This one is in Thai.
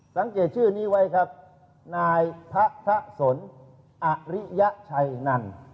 สังเกตชื่อนี้ไว้ครับนายพระทะสนอริยชัยนัน